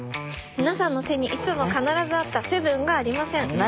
「皆さんの背にいつも必ずあった７がありません」。